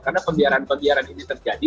karena pembiaran pembiaran ini terjadi